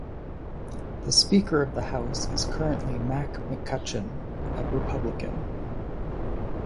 The Speaker of the House is currently Mac McCutcheon, a Republican.